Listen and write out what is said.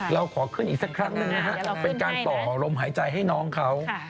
เราขอขึ้นอีกสักครั้งหนึ่งนะฮะเป็นการต่อลมหายใจให้น้องเขา